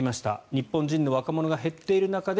日本人の若者が減ってきている中で